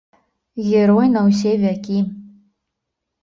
Герой на ўсе вякі!